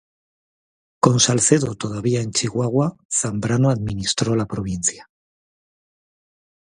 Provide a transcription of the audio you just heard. Con Salcedo todavía en Chihuahua, Zambrano administró la provincia.